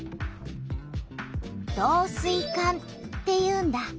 「導水管」っていうんだ。